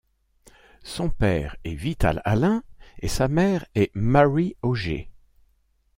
Son père est Vital Allain et sa mère est Mary Auger.